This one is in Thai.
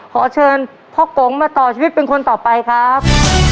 ขอเชิญพ่อกงมาต่อชีวิตเป็นคนต่อไปครับ